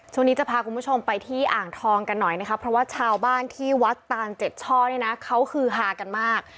ช่วงนี้จะพาคุณผู้ชมไปที่อ่างทองกันหน่อยนะคะเพราะว่าชาวบ้านที่วัดตานเจ็ดช่อเนี่ยนะเขาคือฮากันมาก